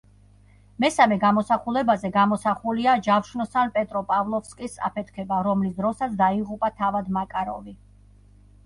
მესამე გამოსახულებაზე გამოსახულია ჯავშნოსან „პეტროპავლოვსკის“ აფეთქება, რომლის დროსაც დაიღუპა თავად მაკაროვი.